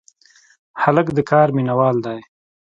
هلک د کار مینه وال دی.